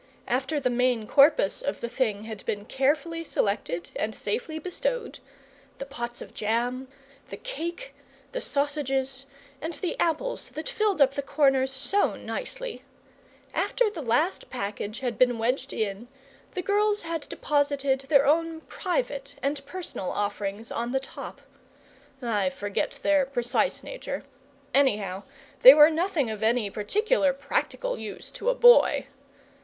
After the main corpus of the thing had been carefully selected and safely bestowed the pots of jam, the cake, the sausages, and the apples that filled up corners so nicely after the last package had been wedged in, the girls had deposited their own private and personal offerings on the top. I forget their precise nature; anyhow, they were nothing of any particular practical use to a boy.